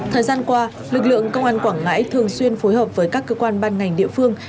thời gian qua lực lượng công an quảng ngãi thường xuyên phối hợp với các cơ quan ban ngành địa phương